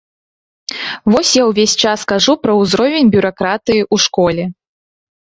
Вось я ўвесь час кажу пра ўзровень бюракратыі ў школе.